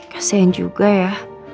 kasian juga ya